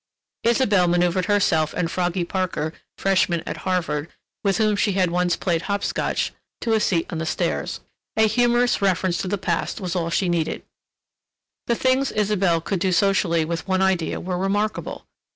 Isabelle manoeuvred herself and Froggy Parker, freshman at Harvard, with whom she had once played hop scotch, to a seat on the stairs. A humorous reference to the past was all she needed. The things Isabelle could do socially with one idea were remarkable.